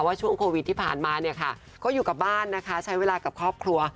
ว่าช่วงโควิดที่ผ่านมาค่ะก็อยู่กับบ้านใช้เวลากับครอบครัว